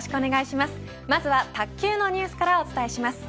まずは卓球のニュースからお伝えします。